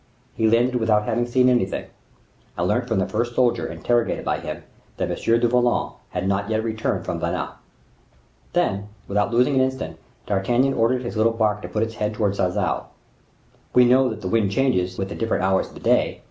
He landed without having seen anything; and learnt from the first soldier interrogated by him, that M. du Vallon had not yet returned from Vannes. Then, without losing an instant, D'Artagnan ordered his little bark to put its head towards Sarzeau. We know that the wind changes with the different hours of the day.